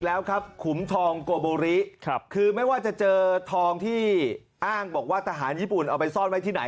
แล้วครับขุมทองโกโบริคือไม่ว่าจะเจอทองที่อ้างบอกว่าทหารญี่ปุ่นเอาไปซ่อนไว้ที่ไหน